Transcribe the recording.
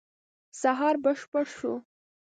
سهار بشپړ شو.